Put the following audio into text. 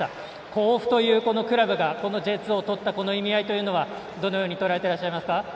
甲府というクラブがＪ２でとったこの意味というのはどのようにとらえていらっしゃいますか。